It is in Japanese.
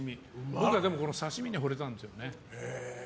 僕は、この刺し身にほれたんですよね。